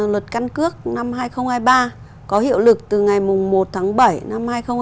luật căn cước năm hai nghìn hai mươi ba có hiệu lực từ ngày một tháng bảy năm hai nghìn hai mươi bốn